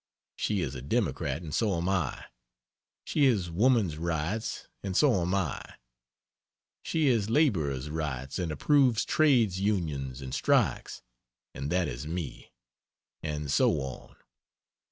she is a democrat and so am I; she is woman's rights and so am I; she is laborers' rights and approves trades unions and strikes, and that is me. And so on.